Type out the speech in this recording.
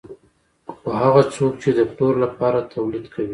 خو هغه څوک چې د پلور لپاره تولید کوي